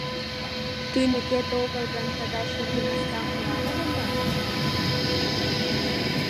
Тӱньыкет огыл гын, тыгай шерге настам муам ыле мо?